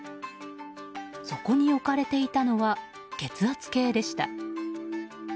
そこに置かれていたのは血圧計でした。